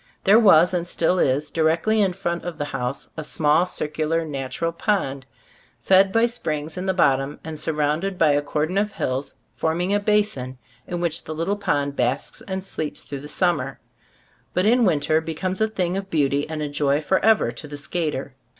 There was, and still is, directly in front of the house, a small, circular, natural pond, fed by springs in the bottom and surrounded by a cordon of hills forming a basin in which the little pond basks and sleeps through the summer, but in winter becomes a thing of beauty and a joy forever to the skater.